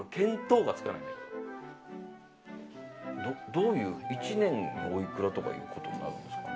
どういう１年でおいくらということになるんですか。